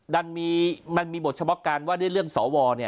มันมีหมดชะบอกการมาเรื่องสว